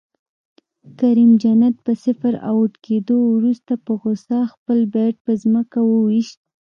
کریم جنت په صفر اؤټ کیدو وروسته په غصه خپل بیټ په ځمکه وویشت